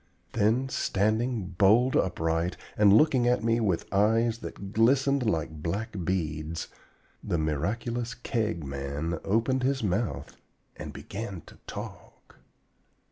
Then, standing bold upright, and looking at me with eyes that glistened like black beads, the miraculous Keg Man opened his mouth and began to talk!